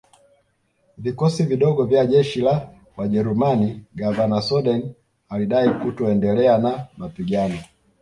vikosi vidogo vya jeshi la wajerumani Gavana Soden alidai kutoendelea na mapigano